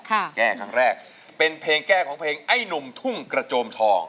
แก้ครั้งแรกเป็นเพลงแก้ของเพลงไอ้หนุ่มทุ่งกระโจมทอง